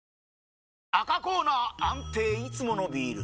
赤コーナー安定いつものビール！